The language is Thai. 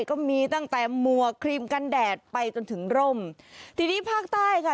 ก็มีตั้งแต่หมวกครีมกันแดดไปจนถึงร่มทีนี้ภาคใต้ค่ะ